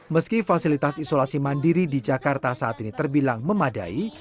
meski fasilitas isolasi mandiri di jakarta saat ini terbilang memadai